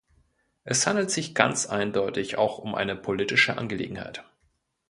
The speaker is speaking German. Es handelt sich ganz eindeutig auch um eine politische Angelegenheit.